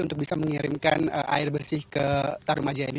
untuk bisa mengirimkan air bersih ke tarumaja ini